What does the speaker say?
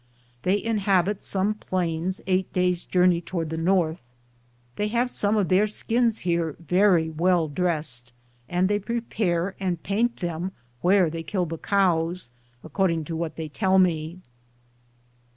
They inhabit some plains eight days' journey toward the north. They have some of their skins here very well dressed, am Google THE JOUKNEY OP COBONADO and they prepare and paint them where they kill the cows, according to what they tell me.